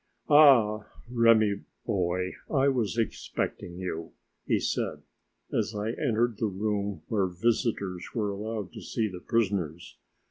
"Ah, Remi, boy, I was expecting you," he said, as I entered the room where visitors were allowed to see the prisoners.